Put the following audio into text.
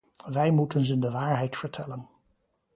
Wij moeten ze de waarheid vertellen.